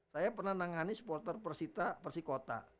saya pernah nangani supporter persita persikota